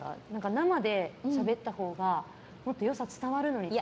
生でしゃべったほうが良さ伝わるのにって。